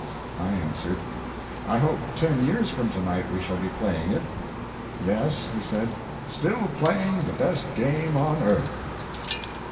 I answered: "I hope ten years from to night we shall be playing it." "Yes," he said, "still playing the best game on earth."